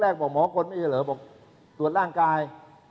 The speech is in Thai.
บอกหมอคนไม่ใช่เหรอบอกตรวจร่างกาย